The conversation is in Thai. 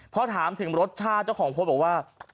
พอถามถึงรสชาติเจ้าของโพสต์บอกว่า